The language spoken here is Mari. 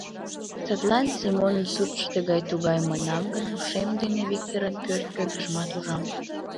Садлан, Семонын суртшо тыгай-тугай манам гын, ушем дене Виктырын пӧрт кӧргыжымат ужам.